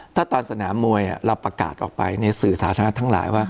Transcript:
ถ้าตามสนามมวยเราประกาศออกไปในสื่อสาธารณะทั้งหลายว่า